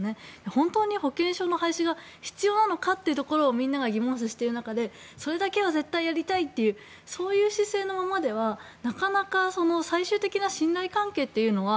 本当に保険証の廃止が必要なのかをみんなが疑問視している中でそれだけは絶対やりたいっていうそういう姿勢のままではなかなか最終的な信頼関係というのは